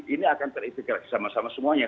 ini akan terintegrasi sama sama semuanya